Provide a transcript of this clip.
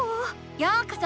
ようこそ！